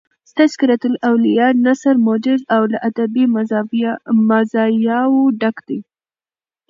"تذکرةالاولیاء" نثر موجز او له ادبي مزایاو ډک دﺉ.